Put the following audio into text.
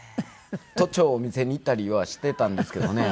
都庁を見せに行ったりはしていたんですけどね。